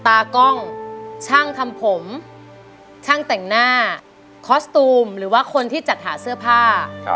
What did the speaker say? ตากล้องช่างทำผมช่างแต่งหน้าคอสตูมหรือว่าคนที่จัดหาเสื้อผ้า